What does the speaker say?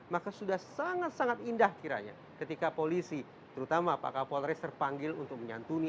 maka sudah sangat sangat indah kiranya ketika polisi terutama pak kapolres terpanggil untuk menyantuni